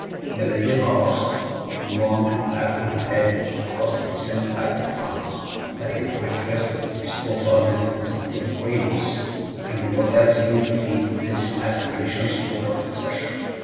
The little corpse, embalmed and lapped in lead, was to be sent back to France, that it might rest with its forefathers in the city of Rheims; and Lothaire seemed to feel this as an additional stroke of desertion.